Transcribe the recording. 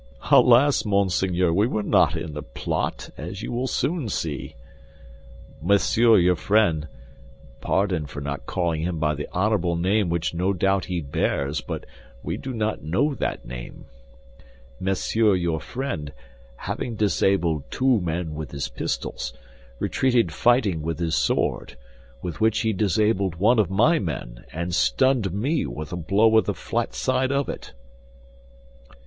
"Alas, monseigneur, we were not in the plot, as you will soon see. Monsieur your friend (pardon for not calling him by the honorable name which no doubt he bears, but we do not know that name), Monsieur your friend, having disabled two men with his pistols, retreated fighting with his sword, with which he disabled one of my men, and stunned me with a blow of the flat side of it."